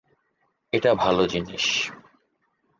এটা ভালো জিনিস।